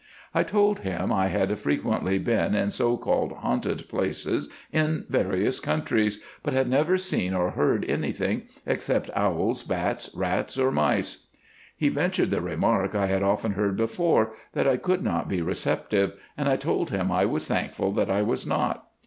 I told him I had frequently been in so called haunted places in various countries, but had never seen or heard anything except owls, bats, rats, or mice. He ventured the remark I had often heard before, that I could not be receptive, and I told him I was thankful that I was not.